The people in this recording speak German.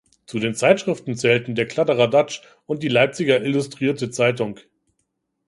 Zu den Zeitschriften zählten der Kladderadatsch und die Leipziger Illustrirte Zeitung.